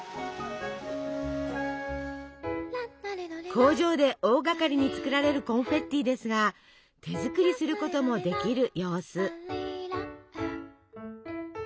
工場で大がかりに作られるコンフェッティですが手作りすることもできる様子。